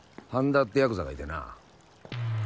田っていうヤクザがいてな。